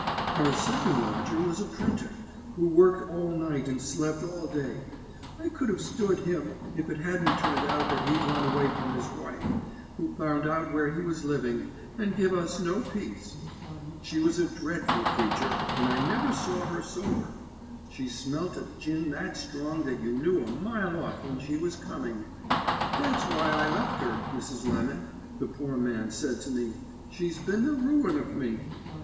"Our second lodger was a printer, who worked all night and slep all day. I could have stood him if it hadn't turned out that he'd run away from his wife, who found out where he was living, and give us no peace. She was a dreadful creature, and I never saw her sober. She smelt of gin that strong that you knew a mile off when she was coming. 'That's why I left her, Mrs. Lemon,' the poor man said to me; 'she's been the ruin of me.